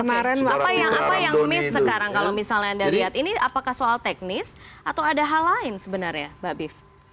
apa yang miss sekarang kalau misalnya anda lihat ini apakah soal teknis atau ada hal lain sebenarnya mbak bif